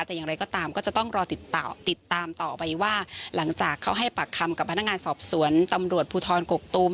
แต่อย่างไรก็ตามก็จะต้องรอติดต่อติดตามต่อไปว่าหลังจากเขาให้ปากคำกับพนักงานสอบสวนตำรวจภูทรกกตูม